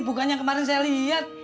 bukannya kemarin saya liat